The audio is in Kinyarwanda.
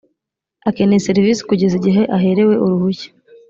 akeneye serivisi kugeza igihe aherewe uruhushya